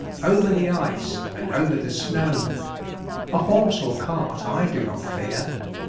Over the ice, and over the snow; A horse or cart I do not fear.